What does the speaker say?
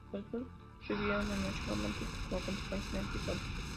Los dos tuvieron una noche romántica y como consecuencia nació Tom.